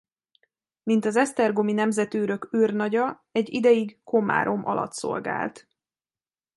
Mint az esztergomi nemzetőrök őrnagya egy ideig Komárom alatt szolgált.